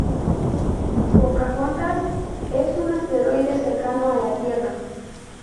Pocahontas es un asteroide cercano a la Tierra.